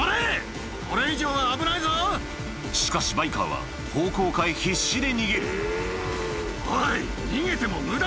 しかしバイカーは方向を変え必死で逃げるおい。